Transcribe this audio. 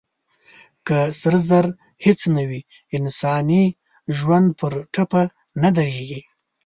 که سره زر هېڅ نه وي، انساني ژوند پر ټپه نه درېږي.